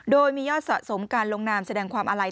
โดยมียอดสะสมการลงนามแสดงความอาลัย